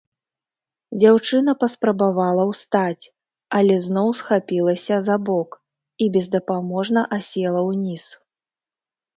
Дзяўчына паспрабавала ўстаць, але зноў схапілася за бок і бездапаможна асела ўніз.